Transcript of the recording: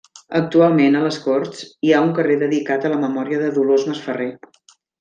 Actualment, a les Corts hi ha un carrer dedicat a la memòria de Dolors Masferrer.